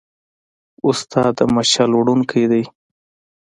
استاد د مشعل وړونکی دی.